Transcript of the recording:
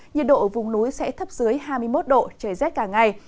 nhiệt độ ở vùng núi sẽ thấp dưới hai mươi một độ trời rét cả ngày